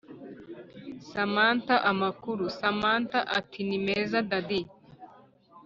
samantha amakuru! samantha ati nimeza daddy